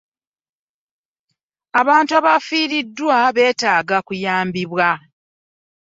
Abantu abafiiriddwa beetaga kuyambibwa.